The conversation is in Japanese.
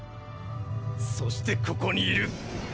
そしてここにいる！